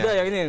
udah yang ini